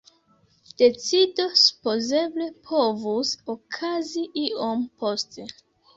Decido supozeble povus okazi iom poste.